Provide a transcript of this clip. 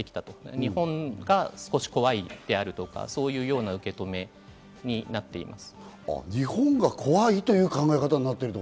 日本が少し怖いであるとか、そういうような受け止めになっています。